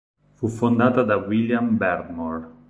Fu fondata da William Beardmore.